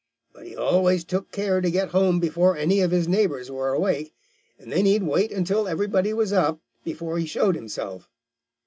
But he always took care to get home before any of his neighbors were awake, and then he'd wait until everybody was up before he showed himself.